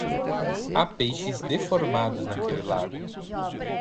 Há peixes deformados naquele lago.